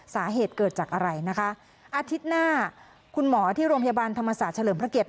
สาเหตุเกิดจากอะไรนะคะอาทิตย์หน้าคุณหมอที่โรงพยาบาลธรรมศาสตร์เฉลิมพระเกียรติ